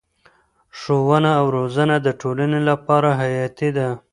ښوونه او روزنه د ټولنې لپاره حیاتي ده.